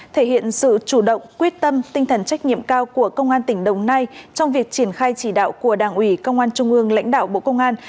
thể hiện sự chủ động quyết tâm tinh thần trách nhiệm cao của công an tỉnh đồng nai trong việc triển khai chỉ đạo của đảng ủy công an trung ương lãnh đạo bộ công an